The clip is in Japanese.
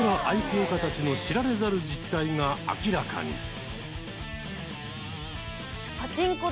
愛好家たちの知られざる実態が明らかに。